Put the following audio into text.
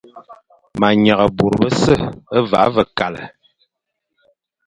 Ma nyeghe bô bese, va ve kale.